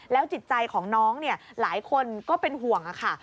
จิตใจของน้องหลายคนก็เป็นห่วงค่ะ